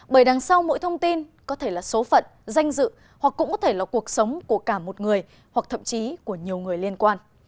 bởi đằng sau mỗi thông tin có thể là số phận danh dự hoặc cũng có thể là cuộc sống của cả một người hoặc thậm chí của nhiều người liên quan